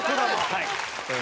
はい。